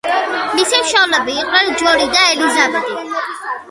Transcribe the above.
მისი მშობლები იყვნენ ჯონი და ელიზაბეტი.